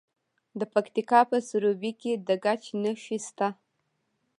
د پکتیکا په سروبي کې د ګچ نښې شته.